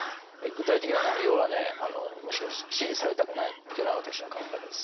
具体的な内容はむしろ指示されたくないっていうのが私の考え方です。